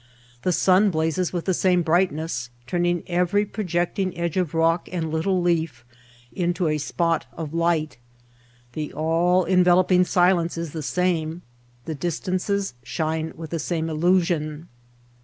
The sun blazes with the same brightness, turning every projecting edge of rock and little leaf into a spot of light. The all enveloping silence is the same. The distances shine with the same illusion.